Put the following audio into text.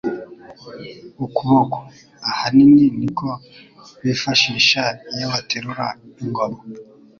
Ukuboko :ahanini niko bifashisha iyo baterura ingoma.